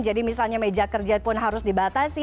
jadi misalnya meja kerja pun harus dibatasi